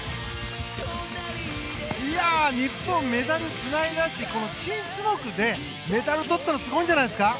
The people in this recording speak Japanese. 日本、メダルつないだし新種目でメダルとったのすごいんじゃないですか？